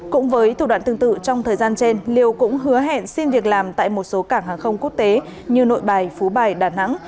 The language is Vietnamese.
cũng với thủ đoạn tương tự trong thời gian trên liêu cũng hứa hẹn xin việc làm tại một số cảng hàng không quốc tế như nội bài phú bài đà nẵng